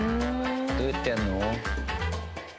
どうやってやるの？